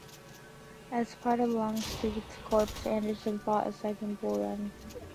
As part of Longstreet's corps, Anderson fought at Second Bull Run.